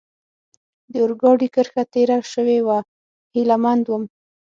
د اورګاډي کرښه تېره شوې وه، هیله مند ووم.